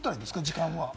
時間は。